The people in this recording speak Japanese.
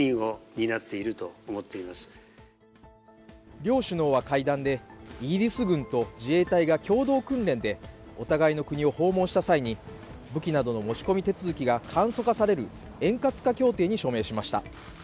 両首脳は会談でイギリス軍と自衛隊が共同訓練でお互いの国を訪問した際に武器などの持ち込み手続きが簡素化される円滑化協定に署名しました。